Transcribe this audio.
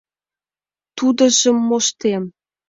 — Тудыжым моштем.